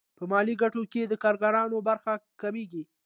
په ملي ګټو کې د کارګرانو برخه کمېږي